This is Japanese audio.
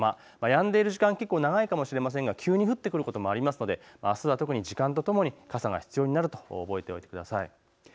やんでいる時間結構、長いかもしれませんが急に降ってくることもあるのであすは時間とともに傘が必要になると覚えておいてください。